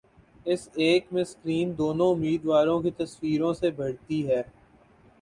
اس ایک میں سکرین دونوں امیدواروں کی تصویروں سے بھرتی ہے